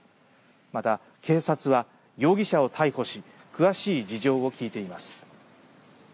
また警察は容疑者を逮捕し詳しい事情を聞いています。